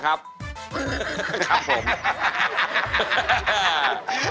ครับผม